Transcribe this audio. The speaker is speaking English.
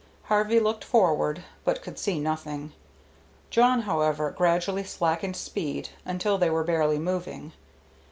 Harvey looked forward, but could see nothing. Jawn, however, gradually slackened speed until they were barely moving.